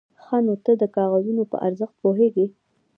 _ښه، نو ته د کاغذونو په ارزښت پوهېږې؟